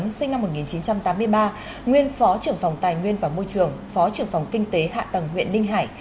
sinh năm một nghìn chín trăm tám mươi ba nguyên phó trưởng phòng tài nguyên và môi trường phó trưởng phòng kinh tế hạ tầng huyện ninh hải